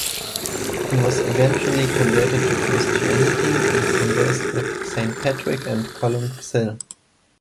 He was eventually converted to Christianity, and conversed with Saint Patrick and Colum Cille.